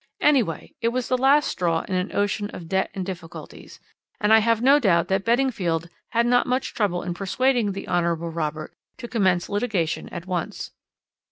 Anyway, it was the last straw in an ocean of debt and difficulties, and I have no doubt that Beddingfield had not much trouble in persuading the Hon. Robert to commence litigation at once.